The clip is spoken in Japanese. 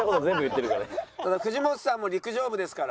藤本さんも陸上部ですから。